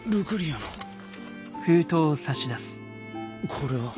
これは？